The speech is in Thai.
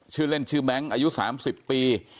ชื่อเล่นชื่อแบงค์อายุ๓๐ปี